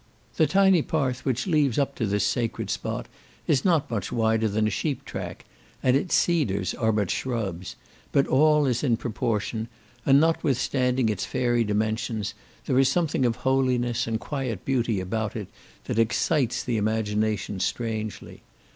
The tiny path which leads up to this sacred spot, is not much wider than a sheep track, and its cedars are but shrubs, but all is in proportion; and notwithstanding its fairy dimensions, there is something of holiness, and quiet beauty about it, that excites the imagination strangely.